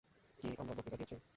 কী, আমরা বক্তৃতা দিয়েছি?